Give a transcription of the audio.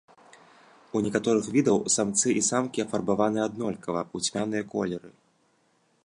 У некаторых відаў самцы і самкі афарбаваны аднолькава, у цьмяныя колеры.